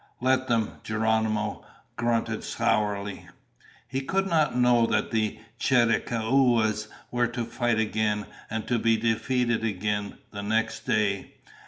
"Let them," Geronimo grunted sourly. He could not know that the Chiricahuas were to fight again, and to be defeated again, the next day.